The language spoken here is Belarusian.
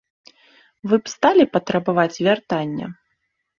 Вы б сталі патрабаваць вяртання?